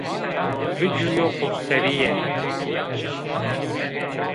Biciwîyo xoserîye!